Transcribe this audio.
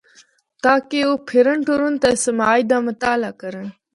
تاکہ او پھرّن ٹرّن تے سماج دا مطالع کرّن۔